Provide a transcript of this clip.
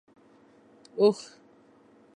🐪 اوښ